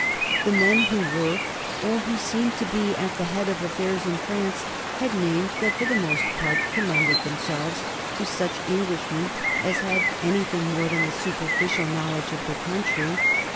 The men who were, or who seemed to be, at the head of affairs in France had names that for the most part commended themselves to such Englishmen as had anything more than a superficial knowledge of the country.